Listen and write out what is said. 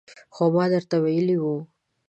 خو ما درته ویلي وو